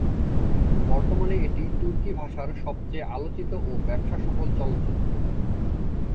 বর্তমানে এটি তুর্কী ভাষার সবচেয়ে আলোচিত ও ব্যবসাসফল চলচ্চিত্র।